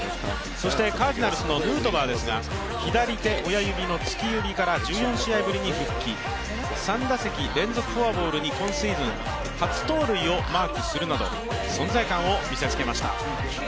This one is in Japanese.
カージナルスのヌートバーですが、左手親指のつき指から１４試合ぶりに復帰、３打席連続フォアボールに今シーズン初盗塁をマークするなど存在感を見せつけました。